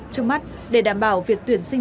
trước mắt để đảm bảo việc tuyển sinh